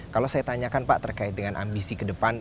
kalau saya tanyakan pak terkait dengan ambisi ke depan